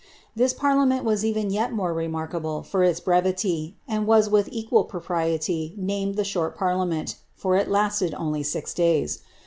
This par as even yet more remarkable for its brevity, and was with equal named the short parliament, for it lasted only six days.